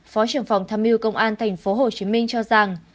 phó trưởng phòng tham mưu công an tp hcm cho rằng